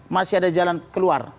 masih ada jalan keluar